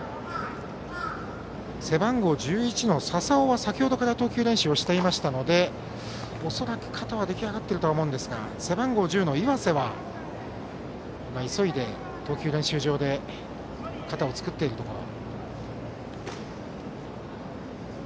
背番号１１の笹尾は投球練習をしていましたので恐らく肩は出来上がっていると思うんですが背番号１０の岩瀬は急いで投球練習場で肩を作っているところ。